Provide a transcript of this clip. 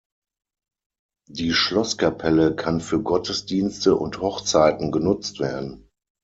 Die Schlosskapelle kann für Gottesdienste und Hochzeiten genutzt werden.